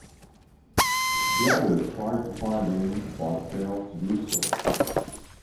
The others try to find him but fail to do so.